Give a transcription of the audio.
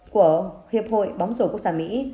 của hiệp hội bóng rổ quốc gia mỹ